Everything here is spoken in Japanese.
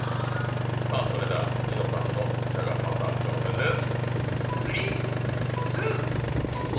さぁそれではニノさんのじゃがパター挑戦です！